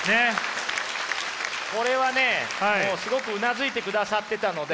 これはねすごくうなずいてくださってたので。